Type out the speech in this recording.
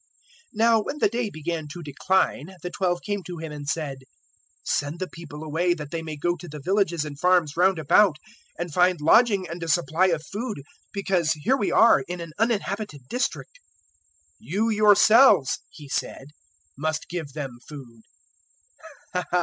009:012 Now when the day began to decline, the Twelve came to Him and said, "Send the people away, that they may go to the villages and farms round about and find lodging and a supply of food; because here we are in an uninhabited district." 009:013 "You yourselves," He said, "must give them food."